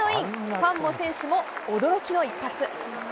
ファンも選手も驚きの一発。